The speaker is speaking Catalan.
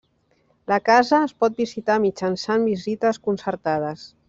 La casa es pot visitar mitjançant visites concertades.